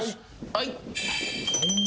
はい。